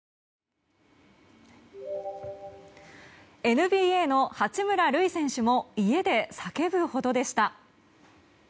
ＮＢＡの八村塁選手も家で叫ぶほどでした。